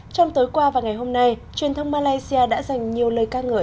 trong tối qua và ngày hôm nay truyền thông malaysia đã dành nhiều lời ca ngợi